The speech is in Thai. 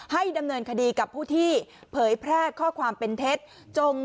ดำเนินคดีกับผู้ที่เผยแพร่ข้อความเป็นเท็จ